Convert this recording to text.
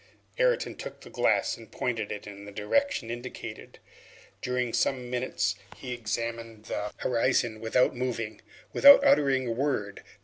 Ayrton took the glass and pointed it in the direction indicated. During some minutes he examined the horizon without moving, without uttering a word.